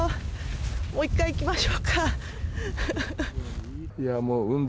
もう１回行きましょうか。